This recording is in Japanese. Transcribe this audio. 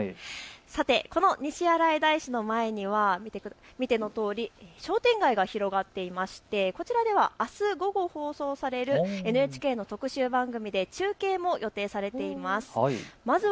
この西新井大師の前には見てのとおり商店街が広がっていてこちらでは、あす午後、放送されるＮＨＫの特集番組で中継も予定されています。